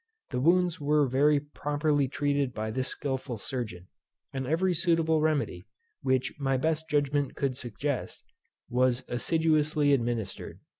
The wounds were very properly treated by this skilful surgeon, and every suitable remedy, which my best judgment could suggest, was assiduously administered.